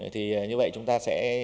thì như vậy chúng ta sẽ